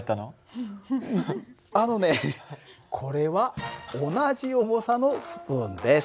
あのねこれは同じ重さのスプーンです。